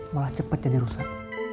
malah cepet jadi rusak